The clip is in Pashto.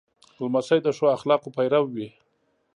لمسی د ښو اخلاقو پیرو وي.